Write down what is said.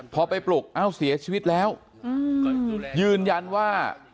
พอไปปลุกเอ้าเสียชีวิตแล้วยืนยันว่า